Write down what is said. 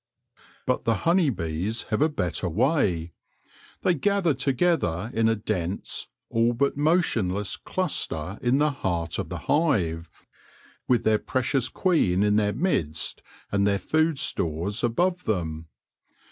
But the honey bees have a better way : they gather together in a dense, all but motionless cluster in the heart of the hive, with their precious queen in their midst and their food stores above them.